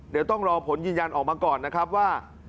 เดี๋ยวต้องรอผลยืนยันออกมาก่อนนะครับว่า